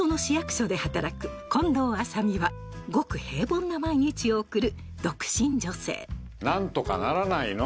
近藤麻美はごく平凡な毎日を送る独身女性何とかならないの？